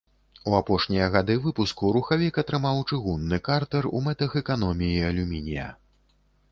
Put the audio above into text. У апошнія гады выпуску рухавік атрымаў чыгунны картэр у мэтах эканоміі алюмінія.